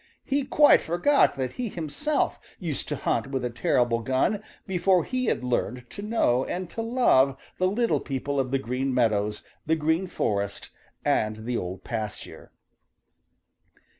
He quite forgot that he himself used to hunt with a terrible gun before he had learned to know and to love the little people of the Green Meadows, the Green Forest and the Old Pasture.